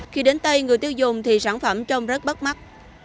khi đến tay người tiêu dùng thì sản phẩm trông rất bắt mắt